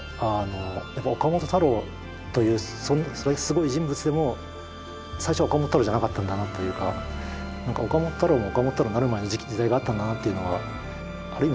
やっぱ岡本太郎というすごい人物でも最初は岡本太郎じゃなかったんだなというか岡本太郎が岡本太郎になるまでの時代があったんだなっていうのはある意味